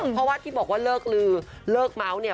เพราะว่าที่บอกว่าเลิกลือเลิกเมาส์เนี่ย